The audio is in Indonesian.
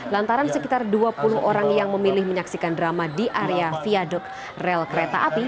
lantaran sekitar dua puluh orang yang memilih menyaksikan drama di area viaduk rel kereta api